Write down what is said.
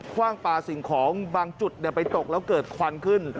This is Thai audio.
ว่างปลาสิ่งของบางจุดไปตกแล้วเกิดควันขึ้น